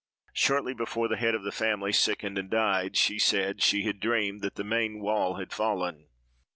Shortly before the head of the family sickened and died, she said she had dreamed that the main wall had fallen.